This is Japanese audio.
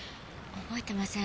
覚えてません。